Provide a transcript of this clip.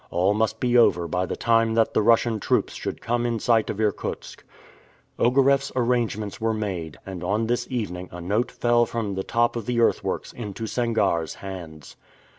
All must be over by the time that the Russian troops should come in sight of Irkutsk. Ogareff's arrangements were made, and on this evening a note fell from the top of the earthworks into Sangarre's hands.